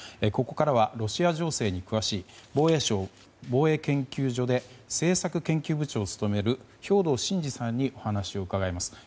ここからはロシア情勢に詳しい防衛省防衛研究所で政策研究部長を務める兵頭慎治さんにお話を伺います。